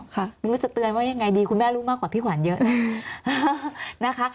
ไม่รู้จะเตือนว่ายังไงดีคุณแม่ลูกมากกว่าพี่ขวัญเยอะนะคะ